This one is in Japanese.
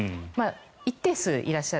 一定数いらっしゃる。